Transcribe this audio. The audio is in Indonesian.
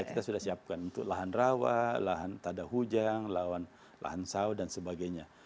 ya kita sudah siapkan untuk lahan rawa lahan tada hujang lahan saw dan sebagainya